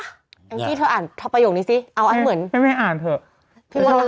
อันที่เธออ่านต่อประโยคนี้สิเอาอันเหมือนไม่ไม่อ่านเถอะ